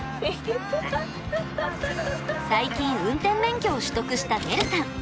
最近運転免許を取得したねるさん。